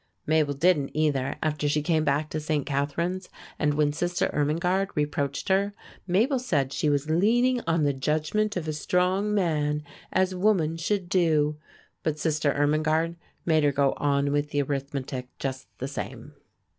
Mabel didn't, either, after she came back to St. Catharine's; and when Sister Irmingarde reproached her, Mabel said she was leaning on the judgment of a strong man, as woman should do. But Sister Irmingarde made her go on with the arithmetic just the same.